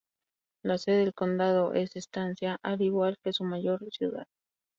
La sede del condado es Estancia, al igual que su mayor ciudad.